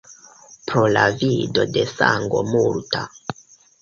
Pro la vido de sango multa.